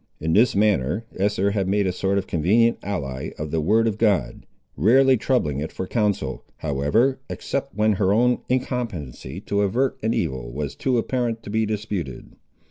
In this manner Esther had made a sort of convenient ally of the word of God; rarely troubling it for counsel, however, except when her own incompetency to avert an evil was too apparent to be disputed.